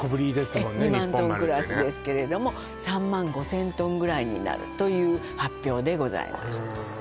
ええ２万トンクラスですけれども３万５０００トンぐらいになるという発表でございますへえ